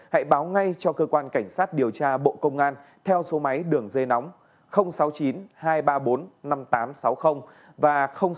hãy báo ngay cho cơ quan cảnh sát điều tra bộ công an theo số máy đường dây nóng sáu mươi chín hai trăm ba mươi bốn năm nghìn tám trăm sáu mươi và sáu mươi chín hai trăm ba mươi hai một nghìn sáu trăm sáu mươi bảy